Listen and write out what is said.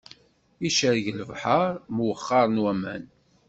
Icerreg lebḥeṛ, mwexxaṛen waman.